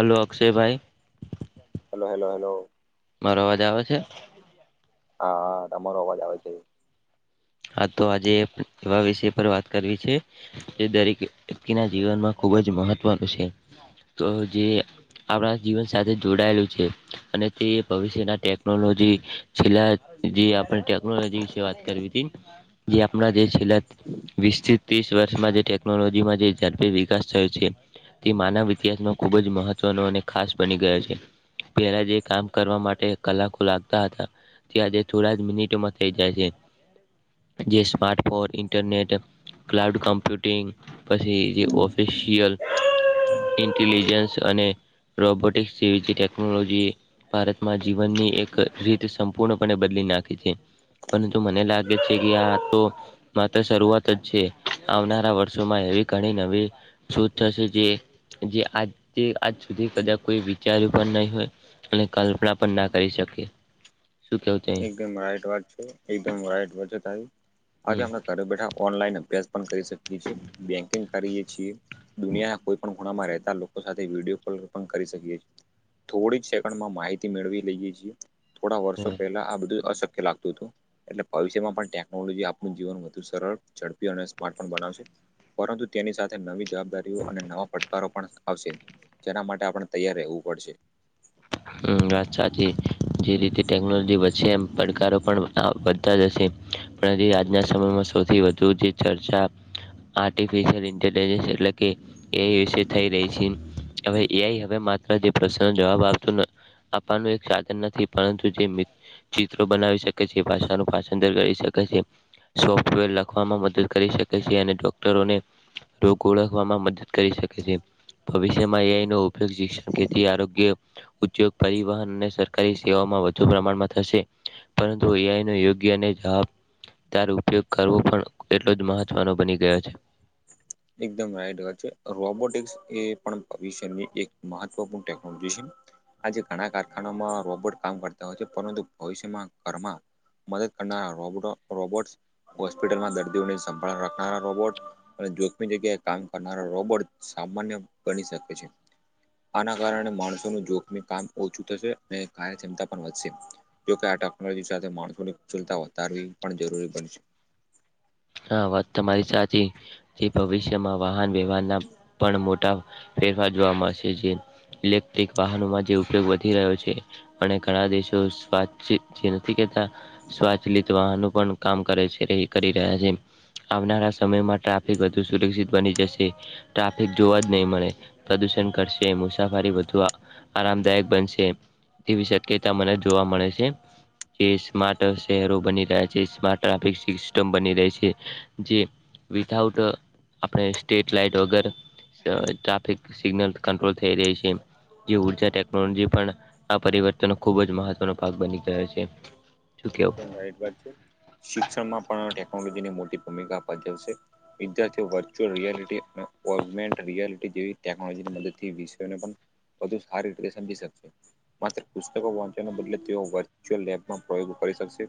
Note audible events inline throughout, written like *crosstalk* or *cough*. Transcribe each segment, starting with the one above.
Hello અક્ષયભાઈ, hello hello hello મારો અવાજ આવે છે હાા તમારો અવાજ આવે છે હા તો આજે એવા વિષય પર વાત કરવી છે એ દરેક વ્યક્તિના જીવનમાં ખૂબ જ મહત્વનું છે તો જે આપણા જીવન સાથે જોડાયેલું છે અને તે ભવિષ્યના ટેકનોલોજી છેલ્લા જે આપણે ટેકનોલોજી વિશે વાત કરવી હતી. જે આપના જે છેલા વિસ્તૃત ત્રીસ વર્ષમાં જે ટેકનોલોજીમાં જે ઝડપી વિકાસ થયો છે તે માનવ ઇતિહાસમાં ખુબ જ મહત્વનો અને ખાસ બની ગયા છે. પહેલા જે કામ કરવા માટે કલાકો લાગતા હતા આજે થોડા જ મિનિટોમાં થઈ જાય છે. જે સ્માાર્ટફોન ઇન્ટરનેટ ક્લાઉડ ક પછી ઓફિિશયલ ઇન્ટેલિજન્સ અને રોબોટિક્સ જે ટેકનોલોજી ભારતમાં જીવનની એક રીત સંપૂર્ણપણે બદલી નાખી છે પરંતુ મને લાગે કે આ તો માત્ર શરૂઆત જ છે. આવનારા વર્ષોમાં એવી ઘણી નવી શું થશે જે જે આ આજ સુધી કદા કોઈ વિચાર્યું પણ નહી હોય અને કલ્પના પણ ના કરી શકે શું કેવું ત રા વાત છે એકમ રાઈટ વાત છે આજે હમ. આપણે ઘરે બેઠા ઓનલાઈન અભ્યાસ પણ કરી શકીએ છીએ બેંકિંગ કરીએ છીએ દુનિયાના કોઈ પણ ગુણામાં રહેતા લોકો સાથે વિડીયો કોલ પણ કરી શકીએએ થોડી સેકન્ડમાં માહિતી મેળવી લઈએ છીએ થોડા વર્ષો પહેલા આ બધું અશક્ય લાગતું હતું એટલે ભવિષ્યમાં પણ ટેકનોલોજી આપણું જીવન વધુ સરળ ઝડપી અને સ્માર્ટ પણ બનાવશે પરંતુ તેની સાથે નવી જવાબદારીઓ અને નવા પડકારો પણ આવશે જેના માટે આપણે તૈયાર રહેવું પડશે હમ્મ વાત સાચી જે રીતે ટેકનોલોજી વધેશે એમ પડકારો પણ આ વધતા જશે પણ આજના સમયમાં સૌથી વધુ જે ચર્ચા આર્ટિફિશિયલ ઇન્ટેલિજન્સ એટલે *unintelligible* થયે રહી છે હવે એ આઈ હવે માત્ર *unintelligible* જવાબ આપ આપવાનું એક સાધન નથી પરંતુ જે મી ચિત્રો બનાવી શકે છે ભાષાનું પસન્દ્ર કરી શકે છે સોફ્ટવેર લખવામાં મદદ કરી શકે છે અને ડોક્ટરોને રોગ ઓળખવામાં મદદ કરી શકે છે ભવિષ્યમાં એ આઈ નો *unintelligible* ખેતી આરોગ્ય ઉદ્યોગ પરિવહન અને સરકારી સેવામાં વધુ પ્રમાણમાં થશે પરંતુ એ આઈ નો યોગ્ય અને જવાબ ત્યારે ઉપયોગ કરવો પણ એટલો જ મહત્વનો બની ગયો છે એકદમ રાઈટ વાત છે રોબોટિક્સ એ પણ ભવિષ્યની એક મહત્વપૂર્ણ ટેકનોલોજી છે આજે ઘણા કારખાનામાં રોબોટ કામ કરતા હોય છે પરંતુ ભવિષ્યમાં ઘરમાં મદદ કરના રોબોટો રોબોટ્સ હોસ્પિટલમાં દર્દીઓની સંભાળ રાખના રોબોટ અને *unintelligible* જગ્યાએ કામ કરનારા રોબોટ સામાન્ય બની શકે છે આના કારણે માણસોનું જોખમી કામ ઓછું થશે અને કાર્યક્ષમતા પણ વધશે જોકે આ ટેકનોલોજી સાથે માણસોની કુશળતા વધારવી પણ જરૂરી બનશે હા વાત તમારી સાચી જે ભવિષ્યમાં વાહન વ્યવહાર ના પણ મોટા ફેરફાર જોવા મળશે જે ઈ - એક વાહનોમાં જેવુ તેવું વધી રહ્યો છે અને ઘણા દેશો સ્વાચછ જે નથી કેતા સ્વાચલિત વાહનો પણ કામ કરે છે એ કરી રહ્યા છે આવનારા સમયમાં ટ્રાફિક વધુ સુરક્ષિત બની જશે ટ્રાફિક જોવા જ નહીં મળે પ્રદુષણ ઘટશે મુસાફરી વધવા આરામદાયક બનશે તેવી શક્યતા મને જોવા મળે છે કે સ્માાર્ટ શહેરો બની રહ્યા છે સ્માાર્ટ ટ્રાફિક સિસ્ટમ બની રહે છે જે વિથાઉટ આપણે સ્ટ્રીટ લાઇટ વગર તો ટ્ર્રેફિક સિગનલ કંટ્રોલ થઈ રહી છે જે ઉર્જા ટેકનોલોજી પણ આ પરિવર્તન ખૂબ જ મહત્વનો ભાગ બની ગયો છે શું કેવું? એકદમ રાઈટ વાત છે શિક્ષણમાં પણ ટેકનોલોજી ની મોટી ભૂમિકા ભજવશે વિદ્યાર્થીઓ વર્ચ્યુઅલ રિયાલિટી અને ઓમેન્ટ રિયાલિટી જેવી ટેકનોલોજીની મદદથી વિષને પણ વધુ સારી રીતે સમજી શકશે માત્ર પુસ્તકો વાંચવાના બદલે તેઓ એક્ચુલ લેબમાં પ્રયોગ કરી શકશે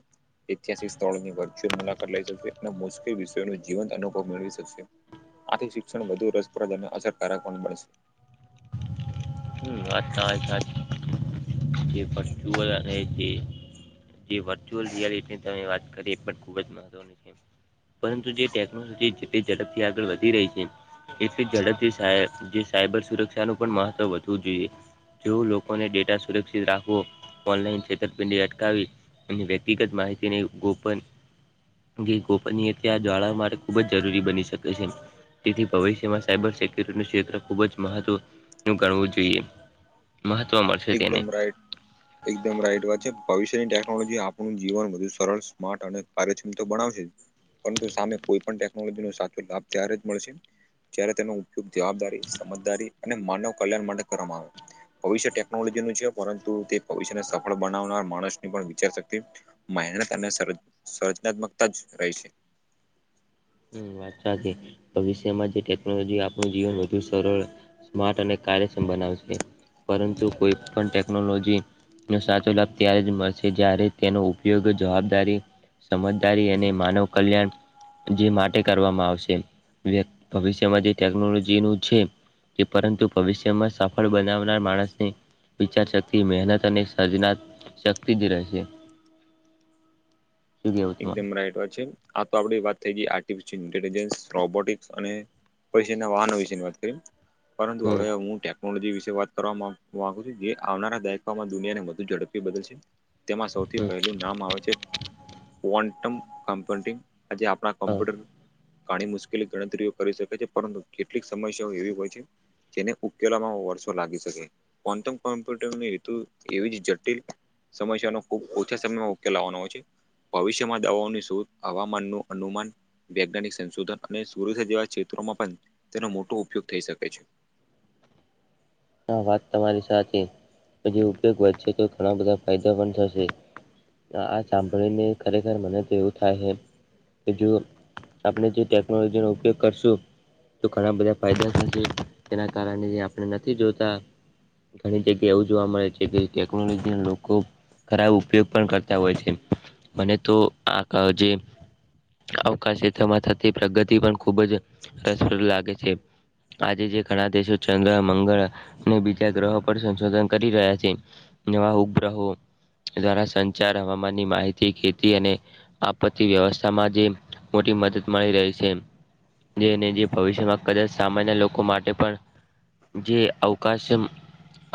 ઐતિહાસિક સ્થળોની વર્ચ્યુઅલ મુલાકાત લઈ શકશે અને મુશ્કેલ વિષયો નો જીવંત અનુભવ મેળવી શકશે આથી શિક્ષણ વધુ રસપ્રદ અને અસરકારક પણ બનશે હમ્મ વાત તમારી વાત સાચી છે જે *unintelligible* ને જે જે વર્ચ્યુઅલ રિયાલિટી ની તમે વાત કરી એ પણ ખુબ જ મહત્વની છે પરંતુ જે ટેકનોલોજી તે ઝડપથી આગળ વધી રહી છે, એટલી ઝડપથી જે સાયબર સુરક્ષાનું પણ મહત્વ વધ વધવું જોયે જો લોકોને ડેટા સુરક્ષિત રાખવો ઓનલાઈન છેતરપિંડી અટકાવી અને વ્યક્તિગત માહિતીની ગોપન જે ગોપનીયતા આ જાળવવા માટે ખુબ જ જરૂરી બની શકે છે, તેથી ભવિષ્યમાં સાયબર સિક્યુરિટીનું ક્ષેત્ર ખૂબ જ મહત્વનું ગણવું જોઈએ. મહત્વ મા એકદમ રાઈટ એકદમ રાઈટ વાત છે ભવિષ્યની ટેકનોલોજી આપણું જીવન વધુ સરળ સ્માર્ટ અને કાર્યક્ષમ તો બનાવશે. પરંતુ સામે કોઈ પણ ટેકનોલોજી નો સાચો લાભ ત્યારે જ મળશે, જ્યારે તેનો ઉપ ઉપ જવાબદારી, સમજદારી અને માનવ કલ્યાણ માટે કરવામાં આવે ભવિષ્ય ટે *unintelligible* છે, પરંતુ તે ભવિષ્યને સફળ બનાવનાર માણસની પણ વિચાર શક્તિ મહેનત અને સર્જ સર્જનાત્મકતા જ રહે છે. હમ વાત સાચી ભવિષ્યમાં જે ટેકનોલોજી આપણું જીવન વધુ સરળ સ્માર્ટ અને કાર્યક્ષમ બનાવશે, પરંતુ કોઈ પણ ટેકનોલોજી નો સાચો લાભ ત્યારે જ મળશે જ્યારે તેનો ઉપયોગ જવાબદારી સમજદારી અને માનવ કલ્યાણ જે માટ ટે કરવામાં આવશે *inaudible* ભવિષ્યમાંથી ટેકનોલોજી નું છે. કે પરંતુ ભવિષ્યમાં સફળ બનાવનાર માણસને વિચાર શક્તિ મહેનત અને સર્જનાત શક્તિ જ રહેશે. શું કેવું એકદમ તમારું? રાઈટ વાત છે, આ તો આપડી વાત થઈ ગઈ આર્ટિફિશયલ ઇન્ટેલિજન્સ રોબોટિક્સ અને પછીના વાહનો વિશેની વાત કરી પરંતુ હમ હવે હું ટેક પણ જે વિશે વાત કરવા માંગ માંગુ છું જે આવનારા દાયકામાં દુનિયાને વધુ ઝડપી બદલસે. તેમાં સૌથી હમ પહેલું નામ આવે છે. ક્વોન્ટમ કમ્ફર્ટિંગ આજે આપણા હા. કમ્પ્યુટર કાણી મુશ્કેલી ગણતરીઓ કરી શકે છે, પરંતુ કેટલીક સમસ્યાઓ એવી હોય છે. જેને ઉકેલામાં વર્ષો લાગી શકે. કોન્ટમ કોમ્પ્યુટરની *unintelligible* એવી જ જટિલ સમસ્યાનો ખુબ ઓછા સમયમાં ઉકેલ લાવવાનો હોય છે. ભવિષ્યમાં દવાઓની શોધ હવામાનનુ અનુમાન વૈજ્ઞાનિક સંશોધન અને *unintelligible* જેવા ક્ષેત્રોમાં પણ તેનો મોટો ઉપયોગ થઈ શકે છે. આ વાત તમારી સાચી હજી ઉપયોગ વધશે તો ઘણા બધા ફાયદા પણ થશે. આ સાંભળીને ખરેખર મને તો એવું થાય હે. કે જો આપણે જે ટેકનોલોજીનો ઉપયોગ કરશું. તો ઘણા બધા ફાયદા થશે, તેના કારણે જે આપણે નથી જોતા ઘણી જગ્યા એવું જોવા મળે છે કે, ટેકનોલોજી ને લોકો ખરાબ ઉપયોગ પણ કરતા હોય છે, મને તો આ *inaudible* જે અવકાશ શ્રેત્રમાં થતી પ્રગતિ પણ ખુબ જ રસપદ લાગે છે, આજે જે ઘણા દેશો ચંદ્ર મંગળ અને બીજા ગ્રહો પર સંશોધન કરી રહ્યા છે, નવા ઉપગ્રહો દ્વારા સંચાર હવામાનની માહિતી ખેતી અને આપત્તિ વ્યવસ્થા માં જે મોટી મદદ મળી રહે છે. જેને જે ભવિષ્યમાં કદાચ સામાન્ય લોકો માટે પણ જે અવકાશં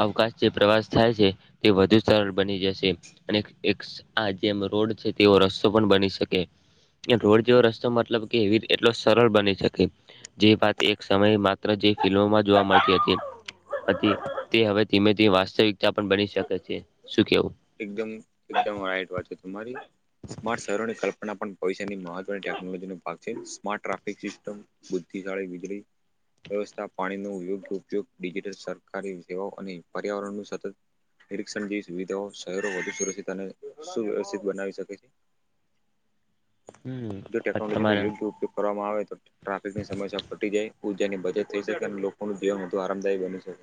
અવકાશ જે પ્રવાસ થાય છે, તે વધુ સરળ બની જશે અને એક આ જેમ રોડ છે, તેવો રસ્તો પણ બની શકે રોડ જેવો રસ્તો મતલબ કે એવી એટલો સરળ બની શકે. જે વાત એક સમયે માત્ર જે ફિલ્મોમાં જોવા મળ તેથી હતી તે હવે ધીમે ધીમે વાસ્તવિકતા પણ બની શકે છે, શું કેવું? એકદમ એકદમ રાઈટ વાત છે, તમારી સ્માર્ટ સરળ કલ્પના પણ પૈસાની મહત્વની ટેકનોલોજી નો ભાગ છે, સ્માર્ટ ટ્રાફિક સિસ્ટમ બુદ્ધિશાળી વીજળી વ્યવસ્થા પાણીનો યોગ્ય ઉપયોગ ડિજિટલ સરકારી સેવાઓ અને પર્યાવરણ નો સતત. નિરીક્ષણ જેવી સુવિધાઓ શહેરો વધુ સુરક્ષિત અને સુવ્યવસ્થિત બનાવી શકે છે. હમ જો વાત ટેકનોલોજી નો તમારા યોગ્ય ઉપયોગ કરવામાં આવે તો. ટ્રાફિકની સમસ્યા ઘટી જાય ઊર્જાની બચત થઈ શકે અને લોકોનું જીવન વધુ આરામદાયી બની શકે.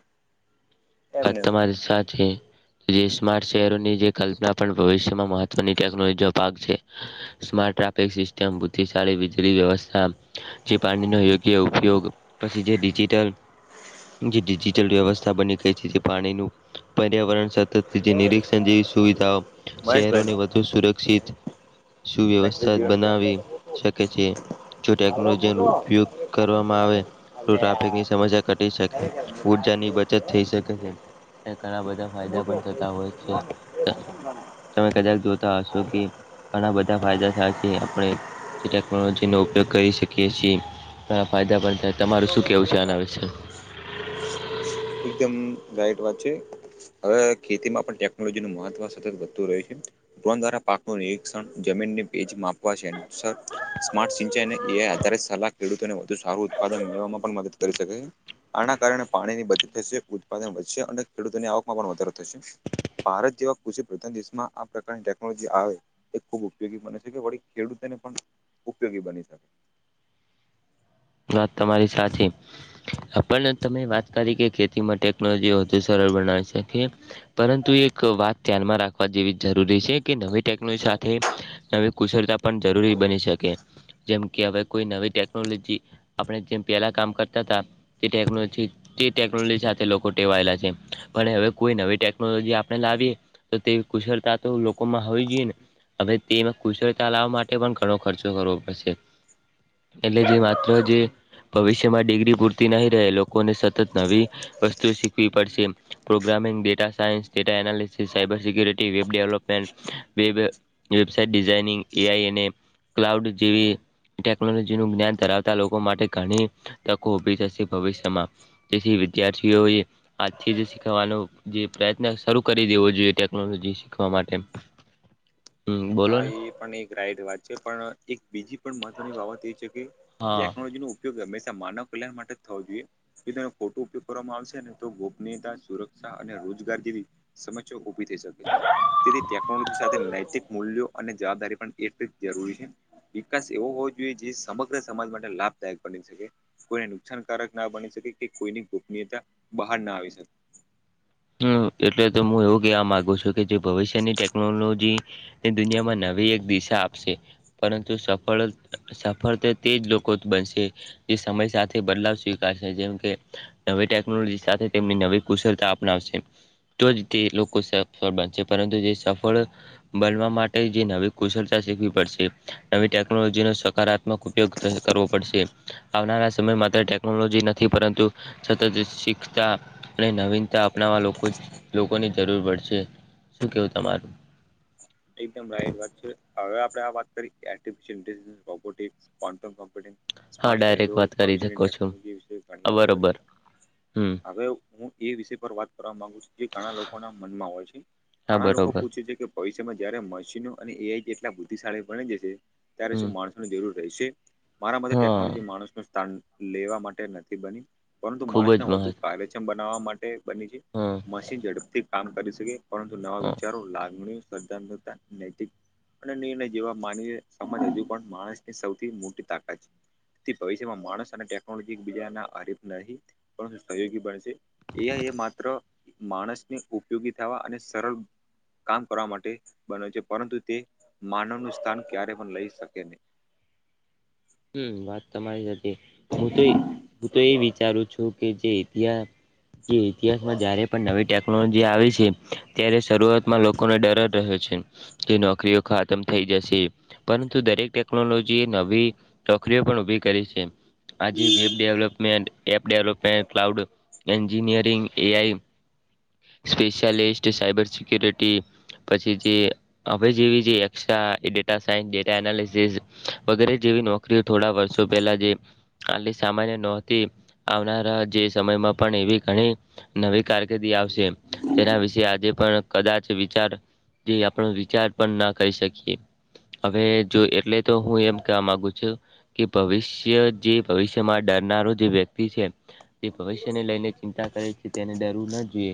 વાત એમને તમારી સાચી જે સ્માર્ટ શહેરોની જે. કલ્પના પણ ભવિષ્યમાં મહત્વની ટેકનોલોજીનો ભાગ છે. સ્માર્ટ ટ્રાફિક સિસ્ટમ બુદ્ધિશાળી વીજળી વ્યવસ્થા. જે પાણીનો યોગ્ય ઉપયોગ. પછી જે ડિજિટલ જે ડિજિટલ વ્યવસ્થા બની. પાણી પર્યાવરણ સતત નિરીક્ષણ જેવી સુવિધાઓ શહેરોને. મહેશભાઈનો તો સુરક્ષિત મહેશભાઈ સુવ્યવસ્થા બનાવી જીવનભાઈ શકે છે. જો આવડો ટેકનોલોજી ન મોટો ઉપયોગ કરવામાં આવે તો અલ્યા ટ્રાફિકની સમસ્યા ઘટી શકે. ઊર્જાની બચત *unintelligible* થઈ શકે છે અને ઘણા બધા ફાયદા મોટો પણ થતા હોય છે. તમે કદાચ જોતા હશો કે. ઘણા બધા ફાયદા થ છે આપણે જે ટેકનોલોજી નો ઉપયોગ કરી શકીએ છીએ. ઘ ફાયદા પણ. થાય. તમારું શું હ કેવું છે ગોબરા. આના *inaudible* એકદમ લઇટ વાત છે. હવે ખેતીમાં પણ ટેકનોલોજીનું મહત્વ સતત વધતું રહ્યું છે. દ્વારા પાક નિરીક્ષણ જમીનની પેજ માપવા છેમાર્ સિંને એ આધ સલા. ખેડૂતોને વધુ સારું ઉત્પાદન મેળવવામાં પણ મદદ કરી શકે. આના કારણે પાણીની બચત થશે ઉત્પાદન વધશે અને ખેડૂતોની આવકમાં પણ વધારો થશે. ભારત જેવા કૃષિ પ્રધાન દેશમાં આ પ્રકારની ટેકનોલોજી આવે. એ ખૂબ ઉપયોગી બને છેકે વળી ખેડૂતોને પણ ઉપયોગી બની શકે. વાત તમારી સાચી. આપ તમે વાત કરી કે ખેતીમાં ટેકનોલોજી વધુ સરળ બનાવે છે કે. પરંતુ એક વાત ધ્યાનમાં રાખવા જેવી જરૂરી છે કે નવી ટેકનોલોજી સાથે. નવી કુશળતા પણ જરૂરી બની શકે જેમ કે હવે કોઈ નવી ટેકનોલોજી. આપણે જેમ પહેલા કામ કરતા હતા તે ટેકનોલોજી. તે ટેકનોલોજી સાથે લોકો ટેવાયેલા છે પણ હવે કોઈ નવી ટેકનોલોજી આપણે લાવીએ. તો તેવી કુશળતા તો લોકોમાં હોવી જોઈએ ને. હવે તેમાં કુશળતા લાવવા માટે પણ ઘણો ખર્ચો કરવો પડશે એટલે જે. જે ભવિષ્યમાં ડિગ્રી પૂરતી નહી રહે લોકોને સતત નવી. વસ્તુ શીખવી પડશે. Programming data science data analysis cyber security web development web. Website designing AI અને ક્લાઉડ જેવી ટેકનોલોજીનુંું જ્ઞાન ધરાવતા. લોકો માટે ઘણી તકો ઉભી થશે ભવિષ્યમાં જેથી વિદ્યાર્થીઓએ. આજથી જ શીખવાનો જે પ્રયત્ન શરૂ કરી દેવો જોઈએ ટેકનોલોજી શીખવા માટે. *inaudible* હમ બોલો હા ને એ પણ એક રાઈડ વાત છે પણ એક બીજી પણ મહત્વની બાબત એ છે કે. હા ટેકનોલોજી નો ઉપયોગ હંમેશા માનવ કલ્યાણ માટે જ થવો જોઈએ. તેનો ફોટો ઉપયોગ કરવામાં આવશે ને તો ગોપનીયતા સુરક્ષા અને રોજગાર જેવી. સમસ્યા ઉભી થઈ શકે છે તેની ટેકનોલોજી સાથે નૈતિક. મૂલ્યો અને જવાબદારી પણ એટલી જરૂરી છે. વિકાસ એવો હોવો જોઈએ જે સમગ્ર સમાજ માટે લાભદાયક બની શકે. કોઈને નુકસાનકારક ના બની શકે કે કોઈની ગોપનીયતા બહાર ના આવી શકે. હમ એટલે તો હું એવું કવા માંગુ છું કે જે ભવિષ્યની ટેકનોલોજી. દુનિયામાં નવી એક દિશા આપશે. પરંતુ સફળ સફળતા તે જ લોકો બનશે જે સમય સાથે બદલાવ સ્વીકારશે જેમ કે નવી ટેકનોલોજી સાથે તેમની નવી કુશળતા તો જી તે લોકો સફળ બનશે પરંતુ જે સફળ બનવા માટે જે નવી કુશળતા શીખવી પડશે નવી ટેકનોલોજી નો સકારાત્મક ઉપયોગ કરવો પડશે આવનારા સમય માત્ર ટેકનોલોજી નથી પરંતુ સતત શીખતા અને નવીનતા અપનાવવા લોકો લોકોને જરૂર પડશે શું કેવું તમારું? એકદમ રાઈટ વાત છે હવે આપણેે વાત કરીએ કે artificial intelligence robotics quantum computing, હા સ્માર્ટ ડાયરેક્ટ શહેરો, વાત કરી ભવિષ્યની શકો છો ટેકનોલોજી વિશે જાણી હા વાતો કરી બરોબર હમ હવે હું એ વિષય પર વાત કરવા માંગુ છું જે ઘણા લોકોના મનમાં હોય છે. હા ઘણા લોકો બરોબર પૂછે છે કે ભવિષ્યમાં જયારે મશીનો અને એઆઈ કેટલા બુદ્ધિશાળી બની જશે ત્યારે હમ શું માણસોની જરૂર રહેશે? મારા મતે હા ટેકનોલોજી માણસ નું સ્થાન લેવા માટે નથી બની પરંતુ ખુબ જ માણસને વધુ *unintelligible* બનાવવા માટે બની છે. હ મશીન ઝડપથી કામ કરી શકે પરંતુ નવા હા વિચારો લાગણીઓ ર્સ્પધાત્મકતા નૈતિક અને નિર્ણય જેવા માનવી સમાજ હજુ પણ માણસની સૌથી મોટી તાકાત છે. થી ભવિષ્યમાં માણસ અને ટેકનોલોજી એક બીજા હરીફ નહિં પરંતુ સહયોગી બનશે. એઆઈ એ માત્ર માણસને ઉપયોગી થવા અને સરળ કામ કરવા માટે બને છે પરંતુ તે માનવ નું સ્થાન ક્યારેય પણ લઈ શકે નહી. હમ્મ વાત તમારી સાચી હું તો હું તો એ વિચારું છું જે ઇતિહાસ જે ઇતિહાસમાં જયારે પણ નવી ટેક *unintelligible* આવી છે ત્યારે શરૂઆતમાં લોકોને ડરજ રહે છે જે નોકરીઓ ખાતમ થઈ જશે પરંતુ દરેક ટેકનોલોજી એ નવી નોકરીઓ પણ ઉભી કરી છે આજ web development, app development, cloud engineering, AI specialist cyber security, પછી જે હવે જેવી જે extra data science data analysis વગેરે જેવી નોક - કરીઓ થોડા વર્ષો પહેલાં જે આટલી સામાન્ય નહોતી આવનારા જે સમયમાં પણ એવી ઘણી નવી કારકિર્દી આવશે તેના વિશે આજે પણ કદાચ વિચાર જે આપણો વિચાર પણ ના કરી શકીએ. હવે જો એટલે તો હું એમ કેવા માગુ છું. કે ભવિષ્ય જે ભવિષ્યમાં ડરનારો જે વ્યક્તિ છે. જે ભવિષ્યને લઈને ચિંતા કરે છે તેને ડરવું ના જોઈએ